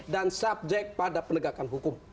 dan subjek pada penegakan hukum